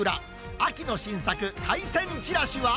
秋の新作、海鮮ちらしは。